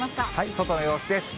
外の様子です。